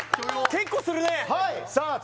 結構するね